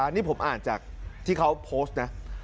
นี่ผมอ่านจากที่เขาโพสต์นะ